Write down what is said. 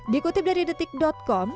dikutip dari detik com